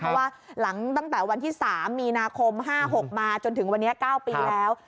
เพราะว่าหลังตั้งแต่วันที่๓มีนาคม๕๖มาจนถึงวันนี้๙ปีแล้ว